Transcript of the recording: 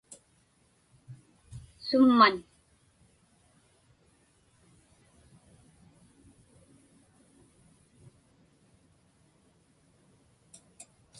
Summan?